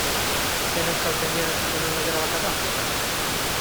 Zen Euskaltzaindian entzuten nuen galdera bakarra?